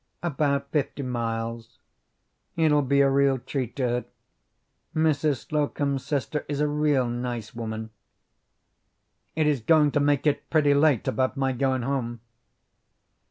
"About fifty miles. It'll be a real treat to her. Mrs. Slocum's sister is a real nice woman." "It is goin' to make it pretty late about my goin' home."